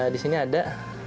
di sini ada